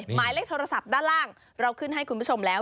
หมายเลขโทรศัพท์ด้านล่างเราขึ้นให้คุณผู้ชมแล้ว